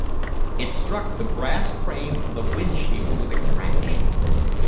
It struck the brass frame of the wind shield with a crash.